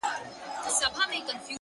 خوگراني زه نو دلته څه ووايم!!